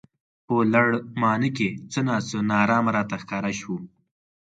په لړمانه کې څه نا څه نا ارامه راته ښکاره شو.